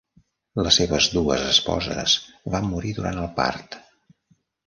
Les seves dues esposes van morir durant el part.